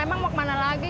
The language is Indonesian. emang mau kemana lagi